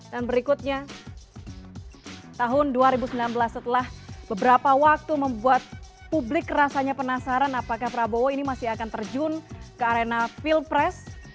dan berikutnya tahun dua ribu sembilan belas setelah beberapa waktu membuat publik rasanya penasaran apakah prabowo ini masih akan terjun ke arena field press